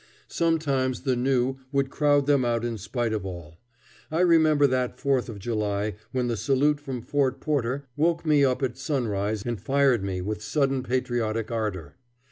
Sometimes the new would crowd them out in spite of all. I remember that Fourth of July when the salute from Fort Porter woke me up at sunrise and fired me with sudden patriotic ardor.